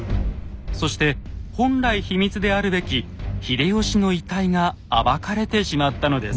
そして本来秘密であるべき秀吉の遺体が暴かれてしまったのです。